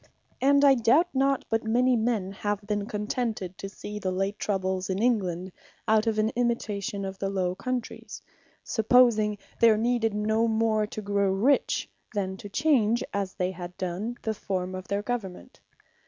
And I doubt not, but many men, have been contented to see the late troubles in England, out of an imitation of the Low Countries; supposing there needed no more to grow rich, than to change, as they had done, the forme of their Government.